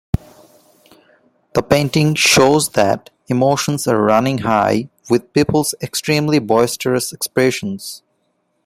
The painting shows that emotions are running high, with people's extremely boisterous expressions.